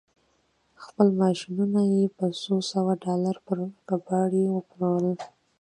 خپل ماشينونه يې په څو سوه ډالر پر کباړي وپلورل.